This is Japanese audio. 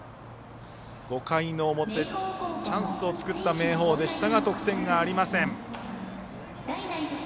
５回の表、チャンスを作った明豊でしたが得点がありません。